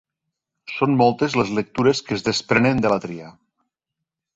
Són moltes les lectures que es desprenen de la tria.